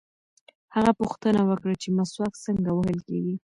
هغه پوښتنه وکړه چې مسواک څنګه وهل کېږي.